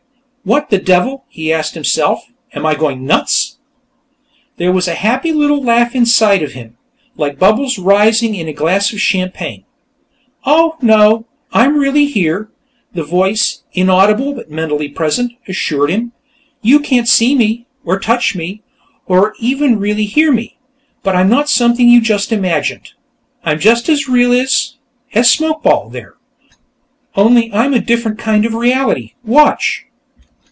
"What the devil?" he asked himself. "Am I going nuts?" There was a happy little laugh inside of him, like bubbles rising in a glass of champagne. "Oh, no; I'm really here," the voice, inaudible but mentally present, assured him. "You can't see me, or touch me, or even really hear me, but I'm not something you just imagined. I'm just as real as ... as Smokeball, there. Only I'm a different kind of reality. Watch."